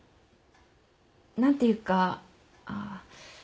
何ていうかあっ。